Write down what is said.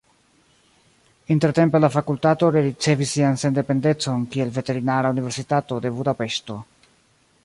Intertempe la fakultato rericevis sian sendependecon kiel Veterinara Universitato de Budapeŝto.